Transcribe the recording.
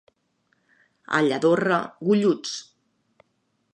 A Lladorre, golluts.